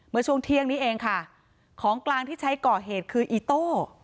เมื่อช่วงเที่ยงนี้เองค่ะของกลางที่ใช้ก่อเหตุคืออีโต้